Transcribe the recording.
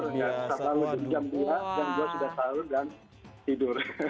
setelah lebih jam dua jam dua sudah sahur dan tidur